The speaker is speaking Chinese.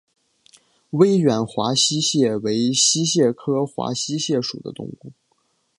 威远华溪蟹为溪蟹科华溪蟹属的动物。